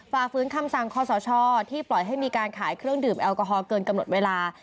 ฝ่าฟื้นคำสั่งคอสชที่ปล่อยให้มีการขายเครื่องดื่มแอลกอฮอลเกินกำหนดเวลา